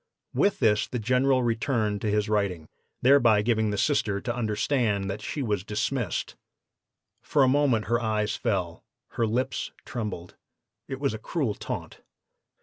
"With this, the General resumed his writing, thereby giving the Sister to understand that she was dismissed. For a moment her eyes fell, her lips trembled it was a cruel taunt.